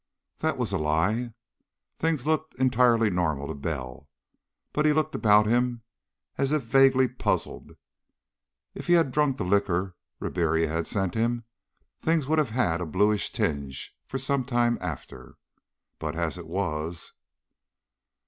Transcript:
That was a lie. Things looked entirely normal to Bell. But he looked about him as if vaguely puzzled. If he had drunk the liquor Ribiera had sent him, things would have had a bluish tinge for some time after. But as it was....